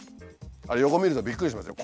あれ横見るとびっくりしますよ。